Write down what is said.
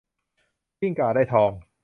กิ้งก่าได้ทอง